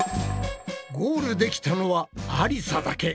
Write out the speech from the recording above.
ゴールできたのはありさだけ。